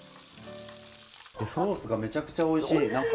ソースがめちゃくちゃおいしい。